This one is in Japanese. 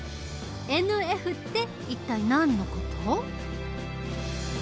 「ＮＦ」って一体何の事？